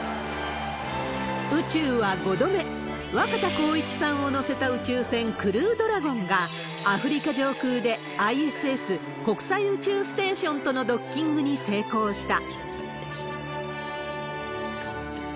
宇宙は５度目、若田光一さんを乗せた宇宙船、クルードラゴンがアフリカ上空でＩＳＳ・国際宇宙ステーションとのドッキングに成功した。